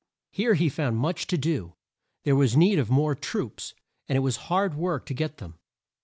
Here he found much to do. There was need of more troops, and it was hard work to get them.